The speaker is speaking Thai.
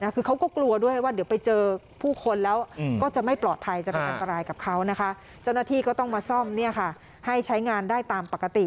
คือเขาก็กลัวด้วยว่าเดี๋ยวไปเจอผู้คนแล้วก็จะไม่ปลอดภัยใช้งานได้ตามปกติ